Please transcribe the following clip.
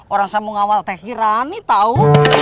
orang saya mau ngawal teh kirani tahu